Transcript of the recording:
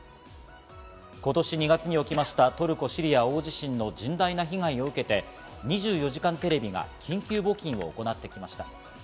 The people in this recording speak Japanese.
今年２月に起きましたトルコ・シリア大地震の甚大な被害を受けて『２４時間テレビ』が緊急募金を行ってきました。